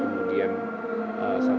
beberapa dengan masyarakat penyelenggara